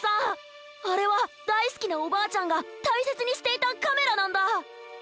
あれはだいすきなおばあちゃんがたいせつにしていたカメラなんだ！